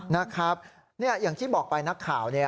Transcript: นะครับอย่างที่บอกไปนักข่าวเนี่ย